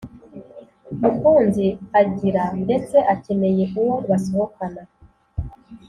mukunzi agira ndetse akeneye uwo basohokana